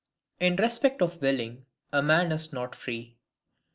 In respect of willing, a Man is not free.